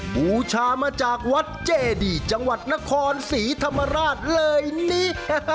บูชามาจากวัดเจดีจังหวัดนครศรีธรรมราชเลยนี่